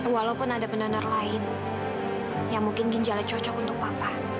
walaupun ada pendengar lain yang mungkin ginjalnya cocok untuk papa